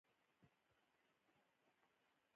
• کتاب لوستل، د ژوند تجربې زیاتوي.